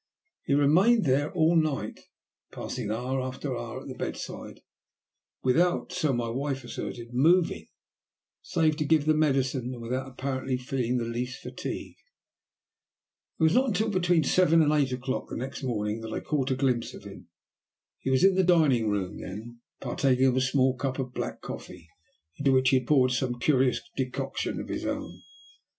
He remained there all night, passing hour after hour at the bedside, without, so my wife asserted, moving, save to give the medicine, and without apparently feeling the least fatigue. It was not until between seven and eight o'clock next morning that I caught a glimpse of him. He was in the dining room then, partaking of a small cup of black coffee, into which he had poured some curious decoction of his own.